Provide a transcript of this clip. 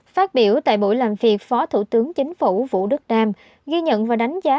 phát biểu tại buổi làm việc phó thủ tướng chính phủ vũ đức đam ghi nhận và đánh giá